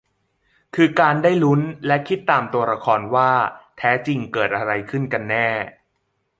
คือการได้ลุ้นและคิดตามตัวละครว่าแท้จริงเกิดอะไรขึ้นกันแน่